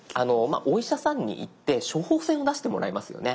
お医者さんに行って処方箋を出してもらいますよね。